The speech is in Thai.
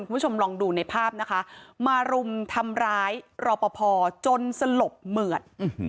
คุณผู้ชมลองดูในภาพนะคะมารุมทำร้ายรอปภจนสลบเหมือด